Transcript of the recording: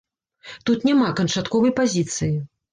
Тут няма канчатковай пазіцыі.